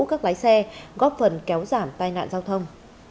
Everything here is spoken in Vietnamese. các lái xe góp phần kéo giảm tai nạn giao thông